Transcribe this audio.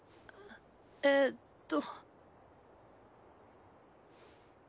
えっと。